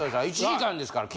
１時間ですから。